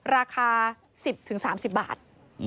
ราคา๑๐๓๐บาท